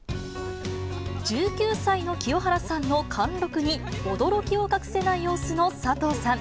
１９歳の清原さんの貫禄に驚きを隠せない様子の佐藤さん。